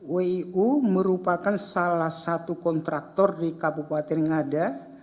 wiu merupakan salah satu kontraktor di kabupaten ngada